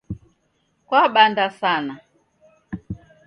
Kwabanda sana